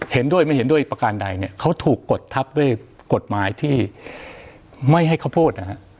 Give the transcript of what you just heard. เห็นด้วยไม่เห็นด้วยประการใดเนี่ยเขาถูกกดทับด้วยกฎหมายที่ไม่ให้เขาพูดนะฮะ